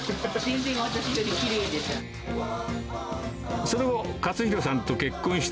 全然私よりきれいでした。